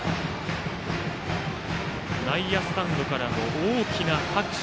内野スタンドから大きな拍手。